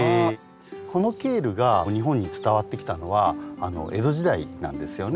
このケールが日本に伝わってきたのは江戸時代なんですよね。